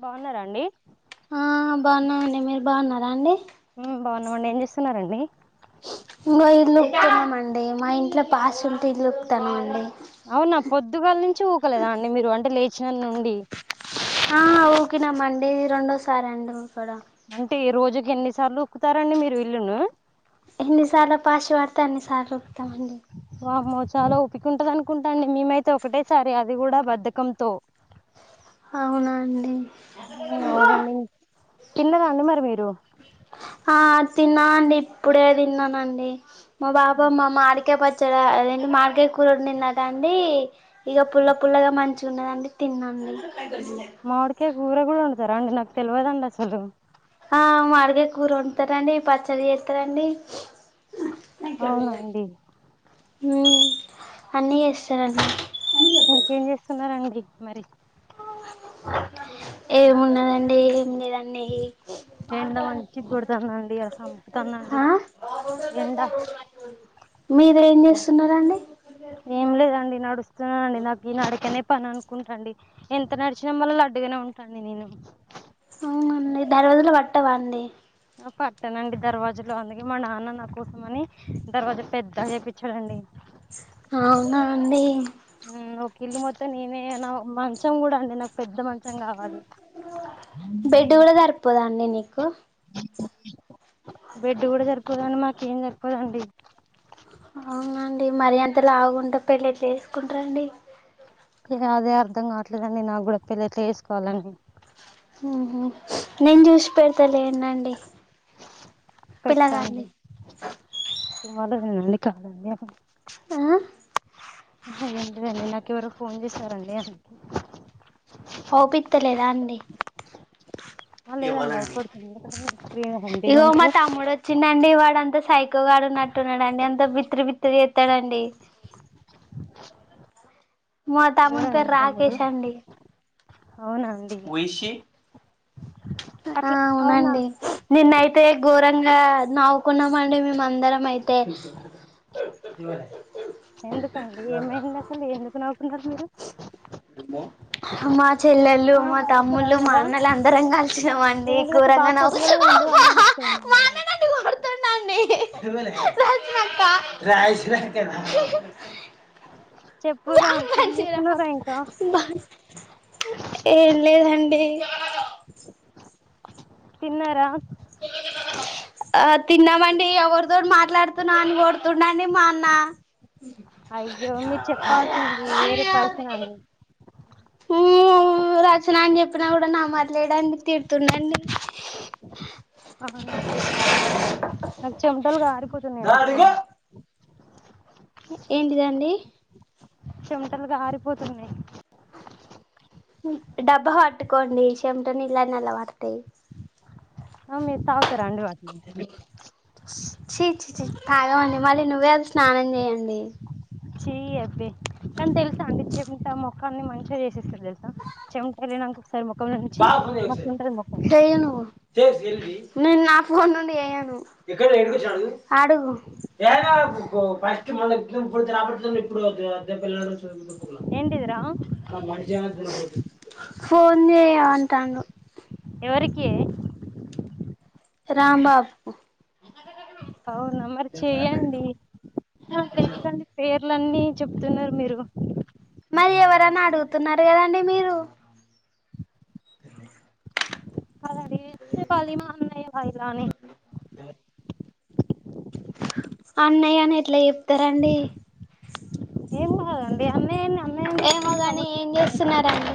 బావున్నారాండి? ఆ బాగున్నామండి మీరు బావున్నారా అండి? మ్ బావున్నామండి ఏం చేస్తున్నారండి? ఇం ఇలుక్తన్నాం అండి మా ఇంట్లో పాస్ ఉంటే ఇలుక్తన్నాం అండి. అవునా పొద్దుగాల నుంచి ఊకలేదా అండి. మీరు అంటే లేచిన నుండి ఆ ఉకినమండి. ఇది రెండోసారి అండి ఊకడం అంటే రోజుకి ఎన్నిసార్లు ఉక్కుతారండి మీరు ఇల్లును? ఎన్నిసాలా పాశ వాడతా అన్నిసార్ల ఉక్కుతాం అండి. మామ్మో చాలా ఓపిక ఉంటది అనుకుంటాండి. మేమైతే ఒకటేసారి అది కూడా బద్ధకంతో అవునాండి మ్ అవునండి తిన్నదాండి మరి మీరు? ఆ తిన్నాండి ఇప్పుడే తిన్నానండి మా బాబమ్ మా మాడికాయపచ్చ చడ అదేంటి మామిడికాయ కూర వండిందట అండి. ఇక పుల్ల పుల్లగా మంచిగ ఉన్నదండి తిన్నాండి. వచ్చిందే మామిడికాయ కూర కూడా వండుతారా అండి నాకు తెల్వదండి అసలు ఆ మామిడికాయ కూర వంటతారండి పచ్చడి చేస్తారండి. అవునండి ఉమ్ అన్నీ చేస్తరండీ. ఇంకేం చేస్తున్నారండి మరి ఏముండదండి నెయ్యి సంపుతంది అండి ఎండ మీరేం చేస్తున్నారండి ఏం లేదండి నడుస్తున్నానండి. నాకు ఈ నడకనే పని అనుకుంటాండి. ఎంత నడిచిన వల్ల లడ్డుగనే ఉంటాండి నేను అవునండి దానిబదులు పట్టవా అండి పట్టనండి దర్వాజాలో అందుకే మా నాన్న నా కోసం అని దర్వాజా పెద్ద చేపిచ్చాడండి. అవునా అండి ఒక ఇల్లు మొత్తం నేనే నా మంచం కూడా అండి నాకు పెద్ద మంచం మంచం కావాలి బెడ్ కూడా సరిపోదా అండి నీకు బెడ్డు కూడా జరిపోదండి. మాక ఏం జరిపోదండి. అవునండి మరి అంత లావుగుంటే పెళ్ళి ఎట్ట చేసుకుంటారండి. అదే అర్థం కావట్లేదండి. నా గూడా పెళ్ళి ఎట్ల చేసుకోవాలని ఉహు నేను జూస్ పెడతారు లేనండి పిల్ల గాని తుమల వెడి కాలండి హా ఏంటి అండి నాకు ఎవరో ఫోన్ చేసారండి అం ఓపిత్తలేదా అండి అ లేదండి ఇవ్వలండి. అవుపడుతుంది రీ ఇగో మా అంటేమంటలో తమ్ముడు వచ్చిండండి వాడు అంత సైకోగాడున్నట్టున్నాడండి. అంత బిత్తిరి బిత్తిరి చేత్తాడండి. మా తమ్ముని లేదండి పేరు తమ్ముడు రాకేష్ అండి. అవునా అండి హూ ఇస్ శి ఆ అట్లా అవునా అవునండి నిన్నయితే కూర ఇంగా నవ్వుకున్నామండి మేము అందరం అయితే ఎందుకండి ఏమైంది అసలు ఎందుకు నవ్వుకున్నారు మీరు మా చెల్లెలు ఆ మా అక్క తమ్ముళ్లు మా బాగున్నదా అన్నలు అందరం కలిచినమండి కూర బా పొద్దుగాల పోయిండు అన్న మట్మ్ నన్ను కొడుతుండండి అక్క చెప్పురా బ్యాక్ ఏం పంచ్ రా చేస్తున్నారా ఇంకా ఏం లేదండి తిన్నారా ఆ తిన్నామండి ఎవరితో మాట్లాడుతున్నా అని కోడుతున్నా మాన్న అయ్యో మీరు చెప్పాల్సింది వేరే పర్సన్ అండి ఉ రచన అని చెప్పినా కూడా నమ్మట్లేదండి తిరుతుందండి అవునా అండి నాకు చెమటలు కారిపోతున్నాయండి ఇక్కడ ఏంటిదండి చెమటలు కారిపోతున్నయ్ డబ్బా పట్టుకోండి చెంట నీలా అన్ని అందులో పడొతాయ్ ఆమిత చి చి మళ్ళీ నువ్వే అది స్నానం చేయండి. చెయ్ అబే కానీ తెలుసా అండి. చెమట మొక్కాన్ని మంచిగ చేసేస్తాది తెలుసా చెమటలేనాకు చెయ్యి నువ్వు నేను నా ఫోన్ నుండి చేయను అడుగు మళ్ళ రాబడుతు ఇప్పుడు దేబాలు [inaudible] ఏంటిదిరా ఫోన్ చెయ్యిమంటాండు ఎవరికి రాంబాబు అవునా మరి నేను భయపెడతా చెయండి మనకెందుకండి పేర్ లన్ని చెప్తున్నారు మీరు మరి ఎవరని అడుగుతున్నారు కదండి మీరు కాదండి చెప్పాలి మా అన్నయ్య వా ఇలా అని అన్నయ్య అని ఎట్లా చెప్తరండి ఏం కాదండి అన్నయ్య అన్నయ్య అని చెప్పుకోవాలి ఏమోగాని ఏం తవ్వుతుంది చేస్తున్నారండి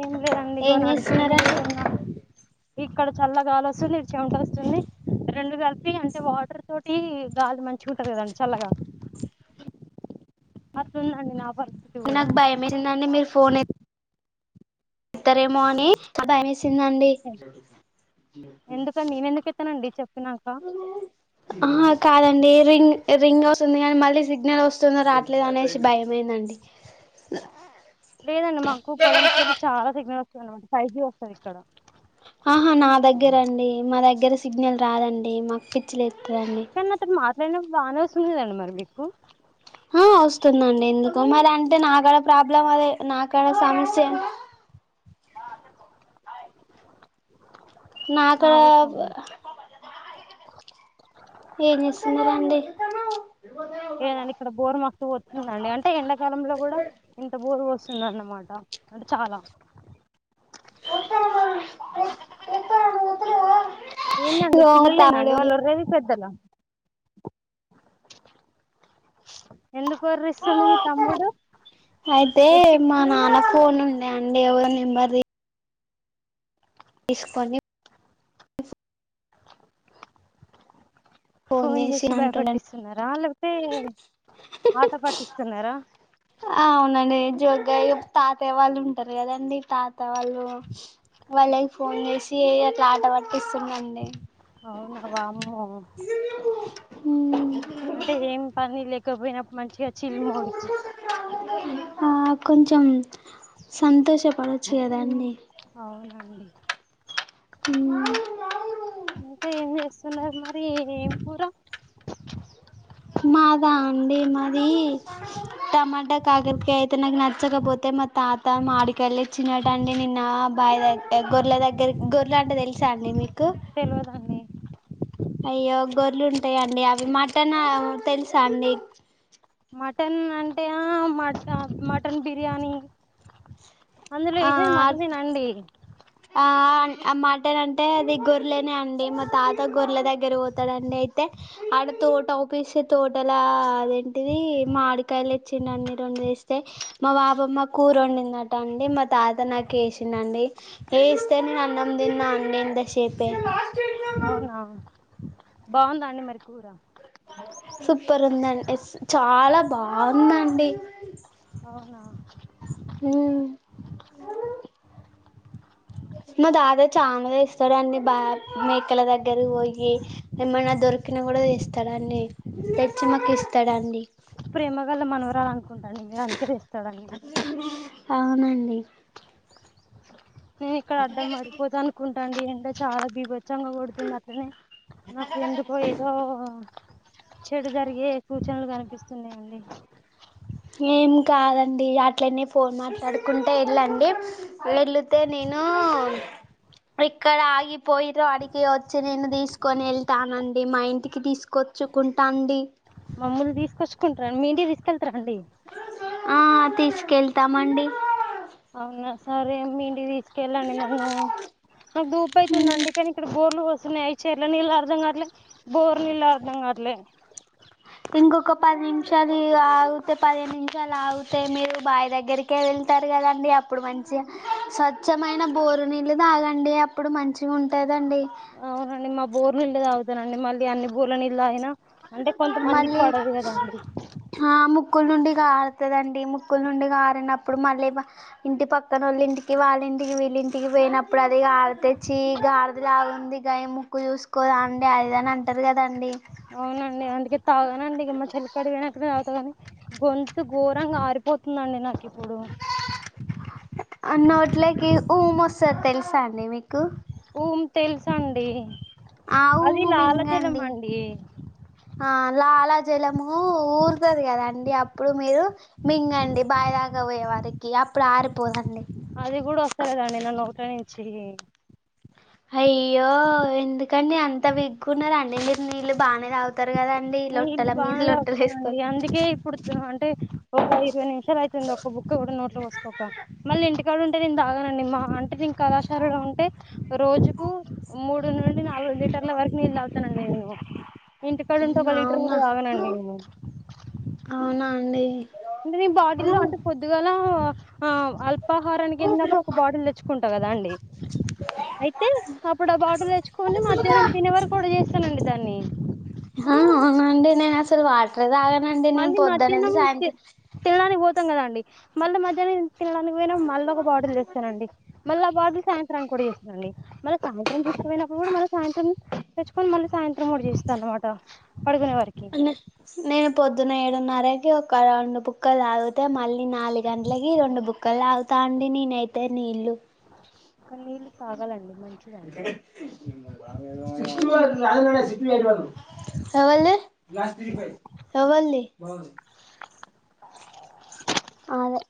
ఏం లేదండి ఇగో ఏం నడుస్తుని చేస్తున్నారండి ఉన్నాను ఇక్కడ చల్లగాలి వస్తు నారచ రెండు కలిపి అంటే వాటర్ తోటి గాలి మంచిగుంటది కదండి చల్లగా వత్తుందండి నాక్ నాకు భయంమేసిందండి మీరు ఫోన్ ఎ త్తరేమో అని భయమేసిందండి ఎందుకండి నేను ఎందుకు ఎత్తానండి చెప్పినాక ఆ కాదండి రింగ్ రింగ్ అవుతుంది కానీ మళ్ళీ సిగ్నల్ వస్తుందో రాట్లేదో అనేసి భయమైందండి లేదండి మాకు పొలంకెళ్ళి చాలా సిగ్నల్ వస్తుంది అనమాట ఫైవ్ జీ వస్తది ఇక్కడ ఆహా నా దగ్గరండి మా దగ్గర సిగ్నల్ రాదండి మాకు పిచ్చిలే కానీ నాతో మాట్లాడనప్పుడు బానే ఒస్తుంది మరి మీకు హ వస్తుందండి ఎందుకు మరి అంటే నా కాడ ప్రాబ్లం అదే నా కాడ సమస్య ఆ చెప్పు నాకా కావచ్చండి ఏం చేస్తున్నారండీ ఏవండీ ఇక్కడ బోరు మక్తు వస్తుందండి అంటే ఎండాకాలంలో కూడా ఇంత బోరు వస్తు నన్న అన్నమాట అంటే చాలా ఏందండి ఇగో పిల్లలేనా అండి తమ్ముడు వాళ్ళు ఓర్రెది పెద్ దల ఎందుకోర్రిస్తుండు మీ తమ్ముడు అయితే ఎక్కి మా నాన్న ఫోన్ ఉండే అండి ఎవ నెంబర్ తీసుకొని ఫోన్ చేసి భయపట్టిస్తున్నారా ఆళ్ళు తే ఆట పట్టిస్తున్నారా నెనే జోగ్గా చెప్తే తాతయ వాళ్ళు ఉంటారు కదండి తాత వాళ్ళు వాళ్ళకి ఫోన్ చేసి అట్లా ఆట పట్టిస్తున్నండి అవునా వామ్మో అంటే ఏ పని లేకపోయినప్పుడు మంచిగా చిల్ మోడ్ కి ఆ కొంచెం సంతోషపడచ్చు కదాండి అవునండి ఇంకా ఏం చెస్ స్తున్నారు మరి ఎం కూర మాదా అండి మాదీ టమాటా కాకరకాయ అయితే నాక్ నచ్చకపోతే మతాత మాడికాయలు తెచ్చినాడాటండి నిన్న బావి దగ్గ గొర్రల దగ్గర గొర్ర అంటే తెలుసా అండి మీకు తెలవదండీ అయ్యో గొర్లు ఉంటాయండి అవి మటన్ తెలుసా అండి మటన్ అంటే ఆ మట మటన్ బిర్యానీ అందులో ఏసేది మటనేనా అండి అ మాటనంటే అది గొర్రలేనే అండి మా తాత గొర్రెల దగ్గర పోతాడండి అయితే ఆడ తోట పిసే తోటల అదేంటిది మాడికాయలు తెచ్చిండండి రెండు ఏసీ వస్తే మా బాపామ్మ కూర వండిందట అండి మా తాత నాకు వేసిందండి ఏ ఇస్తే నేను అన్నం దిన్నా అండి ఇందసేపే అవునా బాగుందా అండి మరి కూర సూపర్ ఉందండి ఎస్ చాలా బాగుంద అండి అవునా మా తాత చాముల ఇస్తాడు అన్నన్ని బా మేకల దగ్గర పోయి ఏమన్నా దొరక దకిన కూడా తెస్తాడండి తెచ్చి మాకు ఇస్తాడుడి ప్రేమ గల్ల మనవరాల అనుకుంటాండి మీరు అందుకే తెస్తాడూ అనుకుంట అవునండి నేను ఇక్కడ అడ్డం పడిపోద అనుకుంటాండి ఎండ చాలా బీభచ్చంగా పడుతుంది అట్నే నాకు ఎందుకో ఏదో చెడు జరిగే సూచనలు కనిపిస్తున్నాయండి ఏం కాదండి అట్లనే ఫోన్ మాట్లాడుకుంటే వెళ్ళండి వెళితే నేను నో ఇక్కడ ఆగిపోయిదో అడికి వచ్చి నేను తీసుకొని వెళ్తానండి మా ఇంటికి తీసుకొ వ చుకుంటాండి మమ్మల్లు తీసుకొచ్చుకుంటారడి మీ ఇంటి తీసుకేలత రండీ హా తీసుకెళ్తామండి అవునా సరే మీ ఇంటికి తీసుకెళ్లది నన్ను దుప ఇతంది అండి కానీ ఇక్కడ బోర్లు చెలనీలు అర్ధంకావటలే బోర్ని అర్ధంకావట్లే ఇంకొక పది నిమిషాలు ఆగితే పదిహను నిమిషాలు ఆగితే మీరు బావి దగ్గరికే వెళ్తారు దండి అప్పుడు మంచిగా స్వచ్ఛమైన బోరు నీళ్ళు తాగండి అప్పుడు మంచి ఉంటది అవునండి మా బోరు నీళ్ళ తాగుతానండి మళ్ళీ అన్ని బూర్ల నీళ్ళ అయినా అంటే కొంతమందికి మళ్ళీ పడదు కదా అండి ఆ ముక్కుల నుండి కారుతుదండి ముక్కుల నుండి గారనప్పుడు మళ్ళీ ఇంటి పక్కన వాళ్ళ ఇంటికి వాళ్ళ ఇంటికి వీళ్ళ ఇంటికి పోయినప్పుడు అదిగా కారితే చి గాడిదలా ఉంది గాయ ముక్కు చూసుకోదండి అది ఇది అన్ని అంటారు కదాండి అవునండి అందుకే తానండి ఇమ్ మా చెల్లి కడివే త కానీ గొంతు ఘోరంగా ఆరిపోతుందండి నాకు ఇప్పుడు నోట్లకి ఉము వస్తుంది తెలుసా అండి మీకు ఊమి తెలుస అండి ఆ ఊముమింగండి ఆ లాలాజలము ఊరుతుంది కదండి అప్పుడు మీరు మింగండి బావిదాకా పోయే వరకి అప్పుడు ఆరిపోదండి చి అయ్యో ఎందుకంని అంత విగ్గున్నారు అన్నీరు నీళ్లు బాగానే తాగుతారు కదండి నీళ్లు లొట్టల మీద బాగానే లొట్టలు తగుతున్నాండి వేసుకొని అందుకే ఇప్పుడు అంటే ఒక ఇరవై నిమిషాలు అవుతుంది ఒక బుక్ కూడా నోట్లో పోసుకోక మళ్ళీ ఇంటికి ఇంటికాడ ఉంటే నేను తాగానండి మా అంటే నీ కళాశారులో ఉంటే రోజుకు మూడు నుండి నాలుగు లీటర్ల వరకు నీల్ తగ్గుతాను అండి నేను ఇంటికాడ ఉంటే ఒక లీటర్ అవునా కూడా తగ్గానండి ఆ అండి అంట నీ బాటిల్లో అంటే పొద్దుగాల ఆ అల్ పాహారానికి వెళ్ళినప్పుడు ఒక బాటిల్ తెచ్చుకుంటా కదా అండి అయితే అప్పుడు ఆ బాటిల్ తెచ్చుకొని మధ్యాహ్నం తినే వరకు కూడా చేస్తానండి దాన్ని ఆ అవునుండి నేన్ అస్సలే వాటర్ తాగ మళ్ళీ మధ్యాహ్నం తిన్నదానికి పోతే కదండి మళ్ళీ మధ్యాహ్న తినడానికి పో మళ్ళీ ఒక బాటిల్ చేస్తానండి మళ్ళీ ఆ బాటిల్ సాయంత్రాన్ని కూడా చేస్తురండి మళ్ళీ సాయంత్రం గుచ్చిపోయినప్పుడు కూడా మన సాయంత్రం తెచ్చుకొని మళ్ళీ సాయంత్రం మడు చేస్తాం అన్నమాట పడుకునే వరకి నేను పొద్దున్న ఏడున్నరకి ఒక రెండు బుక్కల్ తాగుతే మళ్ నే నాలుగు గంటలకి రెండు బుక్కలు తగుతా అండి నేనైతే నీళ్లు కానీ నీళ్ళు తాగాలండి మంచిదండి ఏంటి ఎవల్ది ఎవల్ది? ఆదే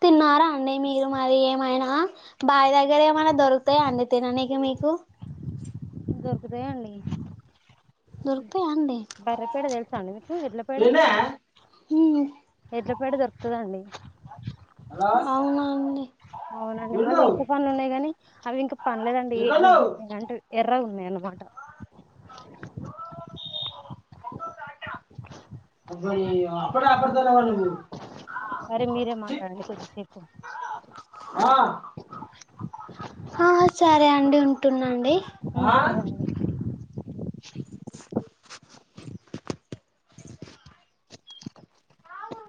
తీన్ న్నారా అండి మీరు మరి ఏమైనా బాయ్ దగ్గర ఏమన్న దొరుకుతాయా అండి తిననికి మీకు దొరుకుతయండి. దొరుకుతాయా అండి బర్రె పేడ తెల్సా అండి మీకు ఎడ్ల పేడ మ్ ఎడ్ల పేడ దొర్కుతదా అండి. అవునండి. అవునండి మళ్ళీ ఈత పన్లున్నయి గనీ అవి ఇంకా పన్లేదండి ఏ ఎ అంటే ఎర్రగున్నయి అన్నమాట. అయ్యో అక్కడే [unintelligible] సాయి మీరే మాట్లాడండి కొద్దిసేపు ఆ ఆ సరే అండి ఉంటున్నండి. ఆ సరే అండి.